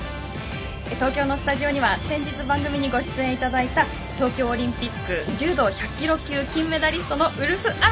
東京のスタジオには先日番組にご出演いただいた東京オリンピック柔道１００キロ